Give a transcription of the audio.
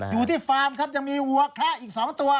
อยู่ที่ฟาร์มครับยังมีหัวแคระอีก๒ตัว